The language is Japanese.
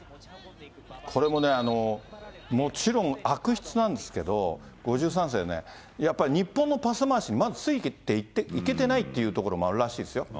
これもね、もちろん悪質なんですけど、５３世ね、やっぱり日本のパス回し、まずついていけてないっていうところもあるらしいですよ。